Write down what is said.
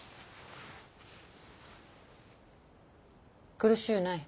苦しうない。